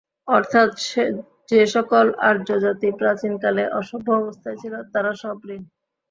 অর্থাৎ যে সকল আর্যজাতি প্রাচীনকালে অসভ্য অবস্থায় ছিল, তারা সব খশ্।